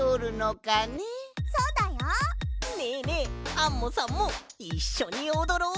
アンモさんもいっしょにおどろう！